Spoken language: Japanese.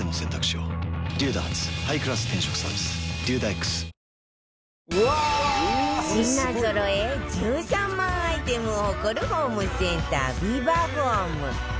糖質ゼロ品ぞろえ１３万アイテムを誇るホームセンタービバホーム